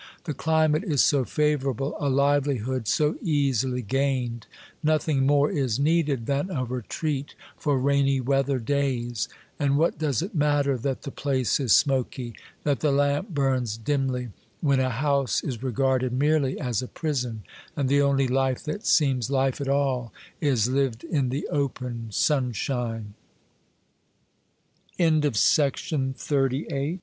The cli mate is so favorable, a livelihood so easily gained ! Nothing more is needed than a retreat for rainy weather days. And what does it matter that the place is smoky, that the lamp burns dimly, when a house is regarded merely as a prison, and the only life that seems life at all is lived i